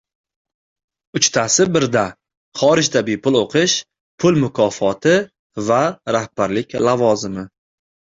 Uchtasi birda: xorijda bepul o‘qish, pul mukofoti va rahbarlik lavozimi